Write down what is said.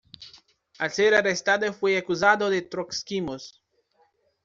Al ser arrestado fue acusado de Trotskismo.